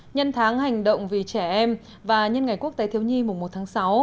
nhân tháng hành động vì trẻ em và nhân ngày quốc tế thiếu nhi mùng một tháng sáu